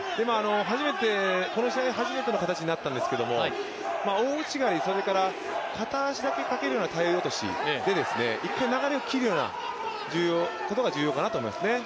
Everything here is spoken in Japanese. この試合初めての形になったんですけど、大内刈り、片足だけかけるような体落としで一回流れを切ることが重要かなと思いますね。